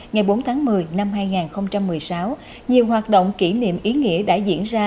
ngày bốn tháng một mươi năm hai nghìn một mươi sáu nhiều hoạt động kỷ niệm ý nghĩa đã diễn ra